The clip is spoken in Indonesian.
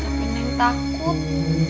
tapi saya takut